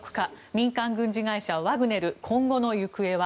民間軍事会社ワグネル今後の行方は？